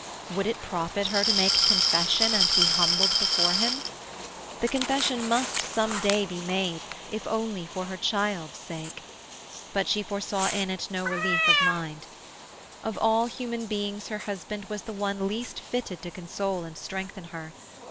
Would it profit her to make confession and be humbled before him? The confession must some day be made, if only for her child's sake; but she foresaw in it no relief of mind. Of all human beings her husband was the one least fitted to console and strengthen her.